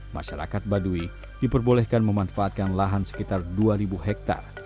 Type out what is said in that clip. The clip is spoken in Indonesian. masyarakat baduy diperbolehkan memanfaatkan lahan sekitar dua ribu hektare